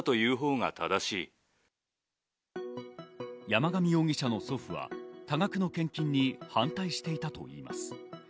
山上容疑者の祖父は多額の献金に反対していたといいます。